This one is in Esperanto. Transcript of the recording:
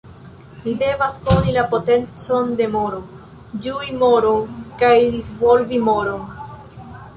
Ni devas koni la potencon de moro, ĝui moron kaj disvolvi moron.